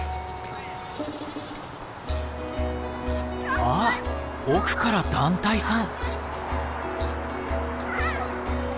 あっ奥から団体さん。